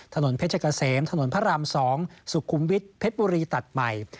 ถนนเพชรเกษมถนนพระราม๒สุขุมวิทย์เพชรบุรีตัดใหม่